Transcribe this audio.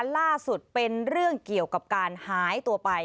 ล่าสุดเป็นเรื่องเกี่ยวกับการหายตัวไป